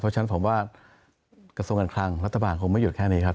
เพราะฉะนั้นผมว่ากระทรวงการคลังรัฐบาลคงไม่หยุดแค่นี้ครับ